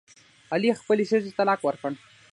علي خپلې ښځې ته طلاق ورکړ.